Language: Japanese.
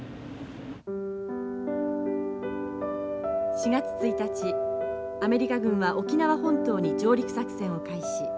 ４月１日アメリカ軍は沖縄本島に上陸作戦を開始。